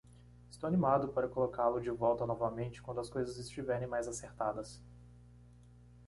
Estou animado para colocá-lo de volta novamente quando as coisas estiverem mais acertadas.